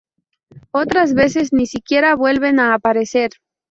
Otras veces ni siquiera vuelven a aparecer.